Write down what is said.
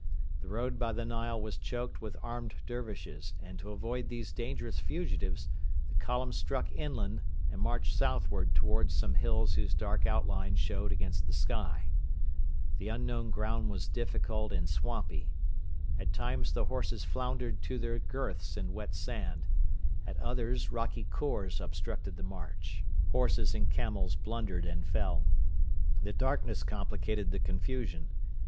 The road by the Nile was choked with armed Dervishes, and to avoid these dangerous fugitives the column struck inland and marched southward towards some hills whose dark outline showed against the sky. The unknown ground was difficult and swampy. At times the horses floundered to their girths in wet sand; at others rocky khors obstructed the march; horses and camels blundered and fell. The darkness complicated the confusion.